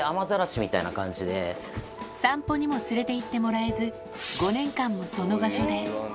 散歩にも連れていってもらえず、５年間もその場所で。